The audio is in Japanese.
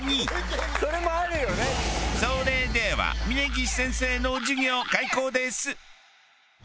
それでは峯岸先生の授業開講です！